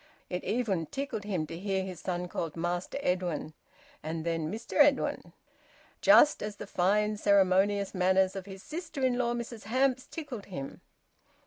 It even tickled him to hear his son called `Master Edwin,' and then `Mister Edwin'; just as the fine ceremonious manners of his sister in law Mrs Hamps tickled him.